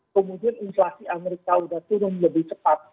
kemudian inflasi amerika sudah turun lebih cepat